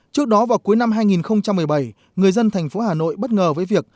trước đó vào cuối năm hai nghìn một mươi bảy người dân thành phố hà nội bất ngờ với việc